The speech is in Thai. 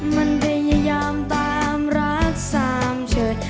มันพยายามตามรักสามเฉย